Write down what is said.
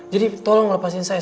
jadi tolong lepasin saya